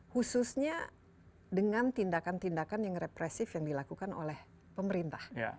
khususnya dengan tindakan tindakan yang represif yang dilakukan oleh pemerintah